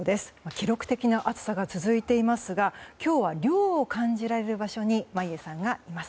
記録的な暑さが続いていますが今日は涼を感じられる場所に眞家さんがいます。